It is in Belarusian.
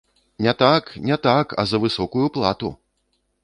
Не так, не так, а за высокую плату.